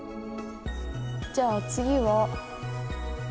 じゃあ次は。